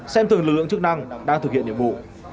xem thường lực lượng chức năng đang thực hiện nhiệm vụ